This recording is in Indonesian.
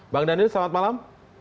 bang daniel selamat malam